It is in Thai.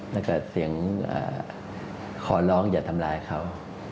แล้วก็เสียงขอร้องอย่าทำร้ายเขา